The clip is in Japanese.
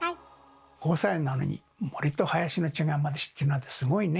５歳なのに森と林の違いまで知ってるなんてすごいね！